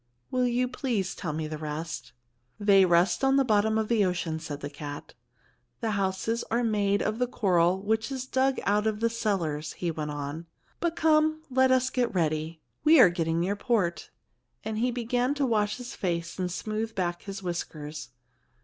"Will you please tell me the rest?" "They rest on the bottom of the ocean," said the cat. "The houses are made of the coral which is dug out of the cellars," he went on. "But, come, let us get ready; we are getting near port," and he began to wash his face and smooth back his whiskers.